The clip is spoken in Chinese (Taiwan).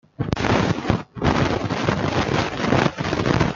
現行個資法的保障